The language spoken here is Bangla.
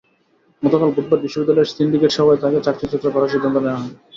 গতকাল বুধবার বিশ্ববিদ্যালয়ের সিন্ডিকেট সভায় তাঁকে চাকরিচ্যুত করার সিদ্ধান্ত নেওয়া হয়।